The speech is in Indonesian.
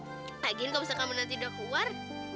lagiin kalau misalnya kamu nanti udah keluar